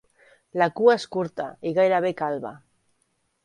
La cua és curta i gairebé calba.